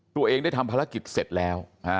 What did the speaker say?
ตัวเองได้ทำภารกิจเสร็จแล้ว